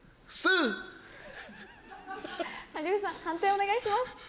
判定お願いします。